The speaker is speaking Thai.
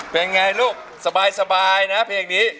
เป็นไงลูกสบายนะเพลงนี้